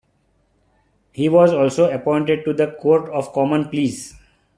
He was also appointed to the Court of Common Pleas.